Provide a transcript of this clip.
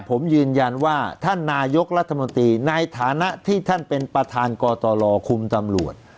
ผมยืนยันว่าท่านนายกรัฐมนตรีในฐานะที่ท่านเป็นประธานกตรคุมตำรวจ